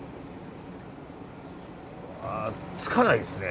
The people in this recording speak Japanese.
あ着かないですね